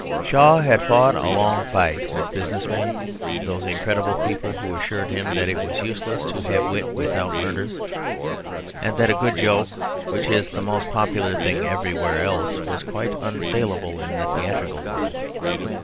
Shaw had fought a long fight with business men, those incredible people, who assured him that it was useless to have wit without murders, and that a good joke, which is the most popular thing everywhere else, was quite unsalable in the theatrical world.